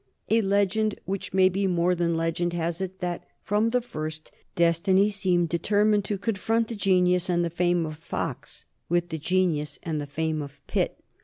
A legend which may be more than legend has it that from the first destiny seemed determined to confront the genius and the fame of Fox with the genius and the fame of Pitt.